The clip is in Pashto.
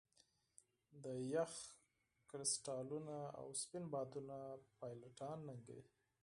د یخ کرسټالونه او سپین بادونه پیلوټان ننګوي